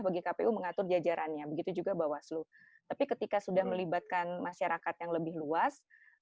bagi kpu mengatur jajarannya begitu juga bawaslu tapi ketika sudah melibatkan masyarakat yang lebih luas